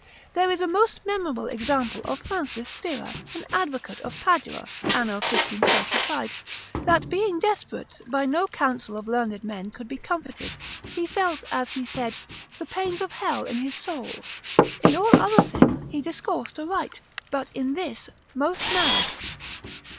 There is a most memorable example of Francis Spira, an advocate of Padua, Ann. 1545, that being desperate, by no counsel of learned men could be comforted: he felt (as he said) the pains of hell in his soul; in all other things he discoursed aright, but in this most mad.